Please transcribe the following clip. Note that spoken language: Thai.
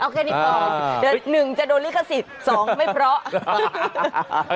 เดี๋ยวหนึ่งจะโดนลิขสิทธิ์สองไม่เพราะ